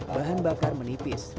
bahan bakar menipis